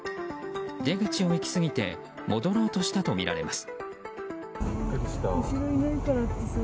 出口を行き過ぎて戻ろうとしたとみられます。